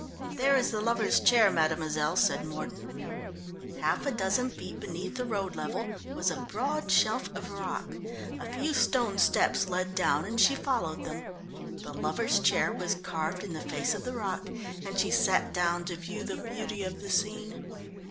"There is the Lovers' Chair, mademoiselle," said Mordon. Half a dozen feet beneath the road level was a broad shelf of rock. A few stone steps led down and she followed them. The Lovers' Chair was carved in the face of the rock and she sat down to view the beauty of the scene.